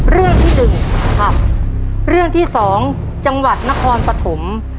เรื่องที่หนึ่งครับเรื่องที่สองจังหวัดนครปฐม